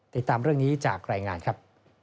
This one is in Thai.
ติดตามเรื่องนี้จากรายงานครับ